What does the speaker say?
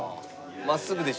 真っすぐでしょ。